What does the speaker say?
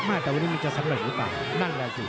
แต่วันนี้มันจะสำเร็จหรือเปล่านั่นแหละสิ